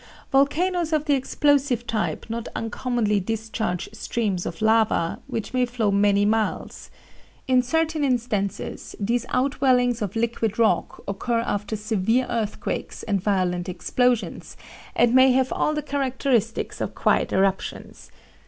"Volcanoes of the explosive type not uncommonly discharge streams of lava, which may flow many miles. In certain instances these outwellings of liquid rock occur after severe earthquakes and violent explosions, and may have all the characteristics of quiet eruptions.